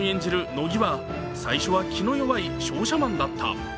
乃木は最初は気の弱い商社マンだった。